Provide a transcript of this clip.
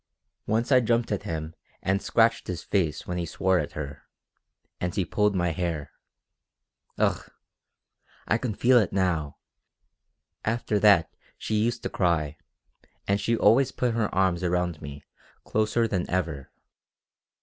Once I jumped at him and scratched his face when he swore at her, and he pulled my hair. Ugh, I can feel it now! After that she used to cry, and she always put her arms around me closer than ever.